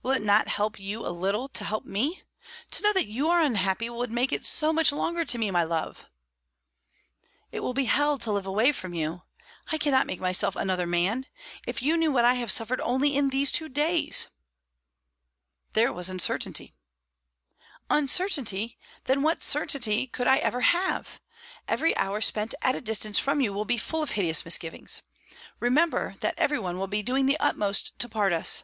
"Will it not help you a little to help me? To know that you are unhappy would make it so much longer to me, my love." "It will be hell to live away from you! I cannot make myself another man. If you knew what I have suffered only in these two days!" "There was uncertainty." "Uncertainty? Then what certainty could I ever have? Every hour spent at a distance from you will be full of hideous misgivings. Remember that every one will be doing the utmost to part us."